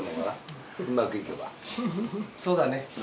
そうだね。